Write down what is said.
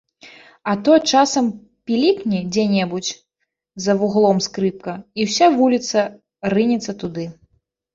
А то часам пілікне дзе-небудзь за вуглом скрыпка, і ўся вуліца рынецца туды.